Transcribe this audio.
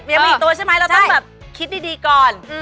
ยังมีอีกตัวใช่ไหมเราต้องแบบคิดดีก่อน